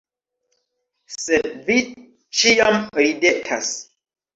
Sed Vi ĉiam ridetas.